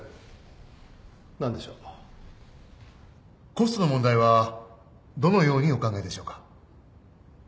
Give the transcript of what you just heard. コストの問題はどのようにお考えでしょうか？